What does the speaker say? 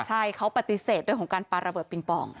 ใช่เขาปฏิเสธเรื่องของการปาระเบิดปิงปอง